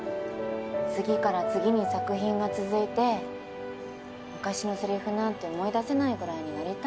次から次に作品が続いて昔の台詞なんて思い出せないぐらいになりたいよ。